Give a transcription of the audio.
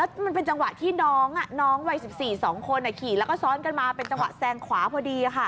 มันเป็นจังหวะที่น้องน้องวัย๑๔๒คนขี่แล้วก็ซ้อนกันมาเป็นจังหวะแซงขวาพอดีค่ะ